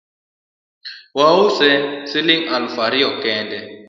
Wause siling alufu ariyo kende